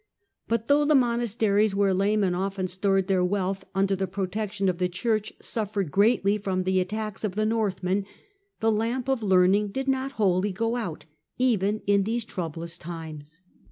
But though the monasteries, fhere laymen often stored their wealth under the pro tection of the Church, suffered greatly from the attacks of the Northmen, the lamp of learning did not wholly go out even in these troublous times.